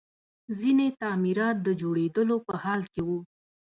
ځینې تعمیرات د جوړېدلو په حال کې وو